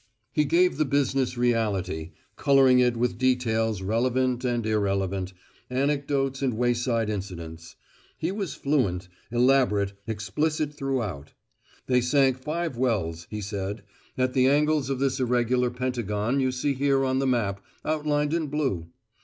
He gave the business reality, colouring it with details relevant and irrelevant, anecdotes and wayside incidents: he was fluent, elaborate, explicit throughout. They sank five wells, he said, "at the angles of this irregular pentagon you see here on the map, outlined in blue.